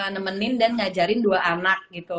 nemenin dan ngajarin dua anak gitu